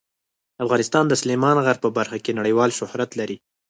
افغانستان د سلیمان غر په برخه کې نړیوال شهرت لري.